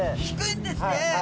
低いんですね。